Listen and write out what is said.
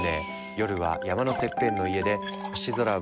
夜は山のてっぺんの家で星空を見ながら一杯。